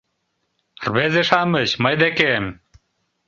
— Рвезе-шамыч, мый декем!